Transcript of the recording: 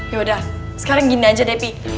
yaudah sekarang gini aja depi